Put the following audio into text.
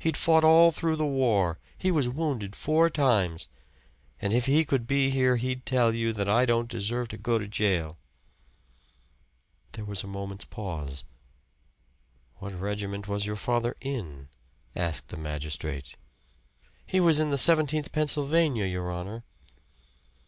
He'd fought all through the war he was wounded four times. And if he could be here he'd tell you that I don't deserve to go to jail." There was a moment's pause. "What regiment was your father in?" asked the magistrate. "He was in the Seventeenth Pennsylvania, your honor."